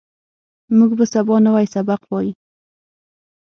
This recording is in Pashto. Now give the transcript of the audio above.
موږ به سبا نوی سبق وایو